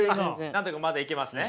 なんとかまだいけますね？